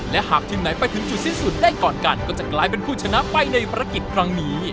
และหากทีมไหนไปถึงจุดสิ้นสุดได้ก่อนกันก็จะกลายเป็นผู้ชนะไปในภารกิจครั้งนี้